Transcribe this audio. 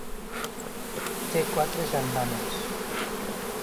Té quatre germanes.